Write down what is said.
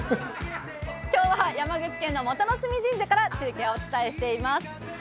今日は山口県の元乃隅神社から中継をお伝えしています。